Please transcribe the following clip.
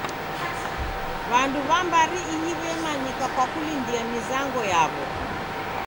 W'andu w'a mbari ihi w'emanyika kwa kulindia mizango yaw'o.